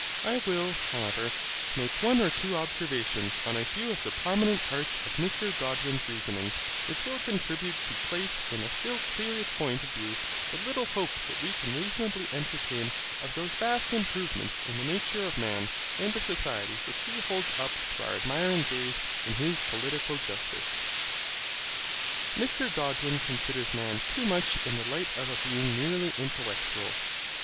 I will, however, make one or two observations on a few of the prominent parts of Mr Godwin's reasonings which will contribute to place in a still clearer point of view the little hope that we can reasonably entertain of those vast improvements in the nature of man and of society which he holds up to our admiring gaze in his Political Justice. Mr Godwin considers man too much in the light of a being merely intellectual.